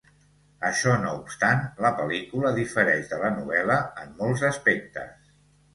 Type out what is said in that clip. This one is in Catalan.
Això no obstant, la pel·lícula difereix de la novel·la en molts aspectes.